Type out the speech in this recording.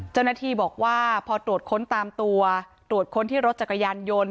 เจ้าหน้าที่บอกว่าพอตรวจค้นตามตัวตรวจค้นที่รถจักรยานยนต์